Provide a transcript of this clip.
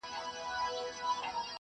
واکمنو د کورنيو ناخوالو مخنيوی وکړ.